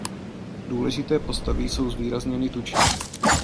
Důležité postavy jsou zvýrazněny tučně.